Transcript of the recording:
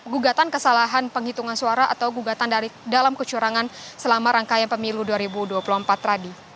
gugatan kesalahan penghitungan suara atau gugatan dalam kecurangan selama rangkaian pemilu dua ribu dua puluh empat tadi